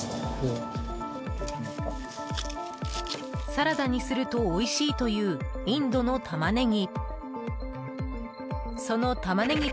サラダにするとおいしいというインドのタマネギ。